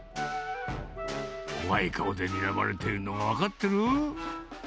怖い顔でにらまれてるの、分かってる？